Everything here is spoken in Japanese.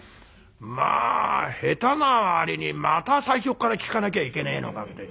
まあ下手な割にまた最初っから聴かなきゃいけねえのかって。